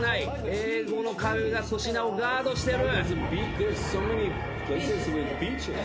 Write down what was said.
英語の壁が粗品をガードしてる。